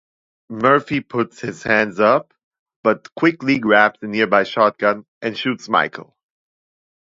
Murphy puts his hands up, but quickly grabs a nearby shotgun and shoots Michael.